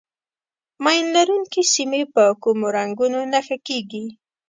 ماین لرونکي سیمې په کومو رنګونو نښه کېږي.